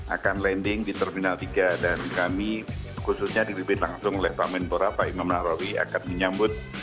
akan landing di terminal tiga dan kami khususnya diribit langsung oleh kemenpora pak imam narawi akan menyambut